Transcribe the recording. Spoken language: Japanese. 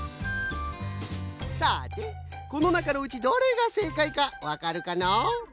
さてこの中のうちどれがせいかいかわかるかな？